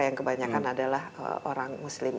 yang kebanyakan adalah orang muslim